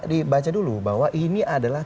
dibaca dulu bahwa ini adalah